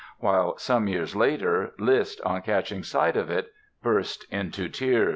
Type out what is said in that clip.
while some years later, Liszt, on catching sight of it, burst into tears.